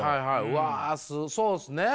うわそうですね。